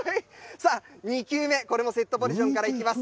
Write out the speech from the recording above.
さあ、２球目、これもセットポジションからいきます。